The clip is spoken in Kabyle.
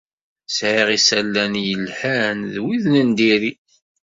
Sɛiɣ isalan yelhan d wid n diri.